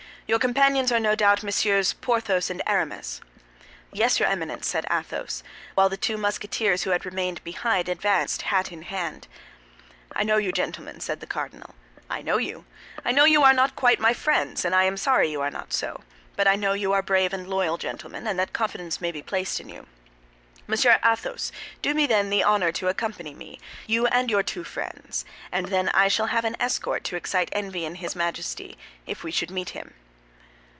Your companions are no doubt Messieurs Porthos and Aramis." "Yes, your Eminence," said Athos, while the two Musketeers who had remained behind advanced hat in hand. "I know you, gentlemen," said the cardinal, "I know you. I know you are not quite my friends, and I am sorry you are not so; but I know you are brave and loyal gentlemen, and that confidence may be placed in you. Monsieur Athos, do me, then, the honor to accompany me; you and your two friends, and then I shall have an escort to excite envy in his Majesty, if we should meet him."